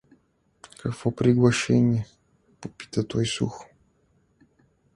— Какво приглашение? — попита той сухо.